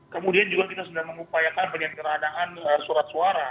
kemudian juga kita sedang mengupayakan penyelenggaraan surat suara